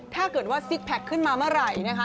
ถ้าเกิดว่าซิกแพคขึ้นมาเมื่อไหร่นะคะ